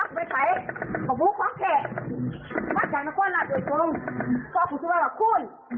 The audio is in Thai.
มันก็ไม่ใช่มันก็ไม่ความแค่มันก็ไม่ใช่มันความรักด้วยตรงต่อคุณชื่อว่าว่าคุณ